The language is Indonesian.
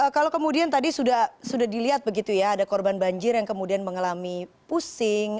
kalau kemudian tadi sudah dilihat begitu ya ada korban banjir yang kemudian mengalami pusing